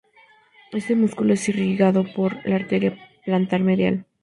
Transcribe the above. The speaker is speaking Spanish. Este músculo es irrigado por la arteria plantar medial.